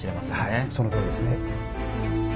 はいそのとおりですね。